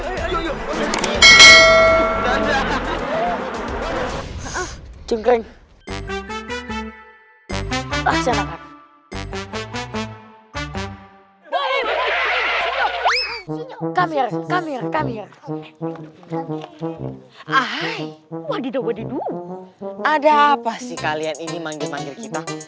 kamu yang kamu yang kamu yang kamu hai wadidaw adidaw ada apa sih kalian ini manggil manggil kita